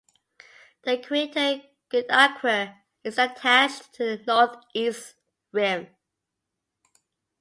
The crater Goodacre is attached to the northeast rim.